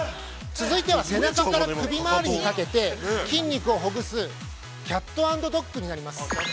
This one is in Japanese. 続いては、背中から首回りにかけて筋肉をほぐすキャット＆ドッグになります。